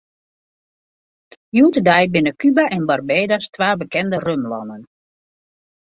Hjoed-de-dei binne Kuba en Barbados twa bekende rumlannen.